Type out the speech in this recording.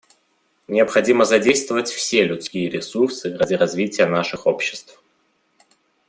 Необходимо задействовать все людские ресурсы ради развития наших обществ.